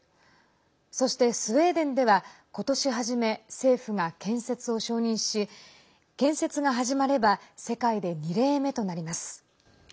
そして、スウェーデンでは今年初め、政府が建設を承認し建設が始まれば世界で２例目となります。